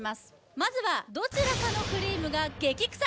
まずはどちらかのクリームが激臭・